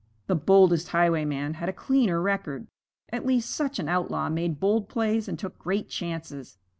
The boldest highwayman had a cleaner record: at least such an outlaw made bold plays and took great chances.